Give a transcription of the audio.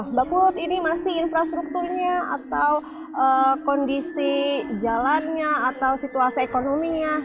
mbak put ini masih infrastrukturnya atau kondisi jalannya atau situasi ekonominya